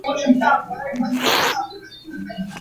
His father was a Catholic and worked as a writer for the Church.